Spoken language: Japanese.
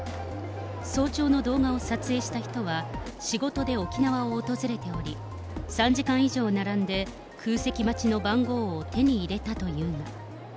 早朝の動画を撮影した人は、仕事で沖縄を訪れており、３時間以上並んで、空席待ちの番号を手に入れたというが。